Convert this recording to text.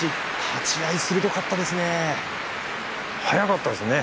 立ち合い鋭かったですね。